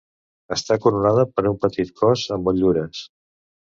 Està coronada per un petit cos amb motllures.